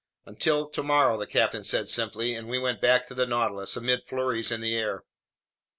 "Until tomorrow," the captain said simply; and we went back to the Nautilus, amid flurries in the air.